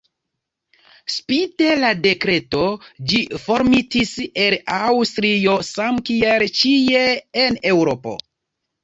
Spite la dekreto, ĝi formortis el Aŭstrio same kiel ĉie en Eŭropo.